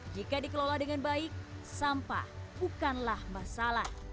jika dikelola dengan baik sampah bukanlah masalah